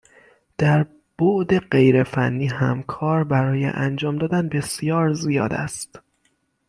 در بعد غیر فنی هم کار برای انجام دادن بسیار زیاد است